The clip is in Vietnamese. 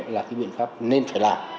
là cái biện pháp nên phải làm